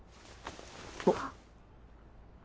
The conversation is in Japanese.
あっ。